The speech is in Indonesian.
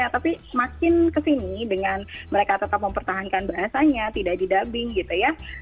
tapi makin ke sini dengan mereka tetap mempertahankan bahasanya tidak didubbing gitu ya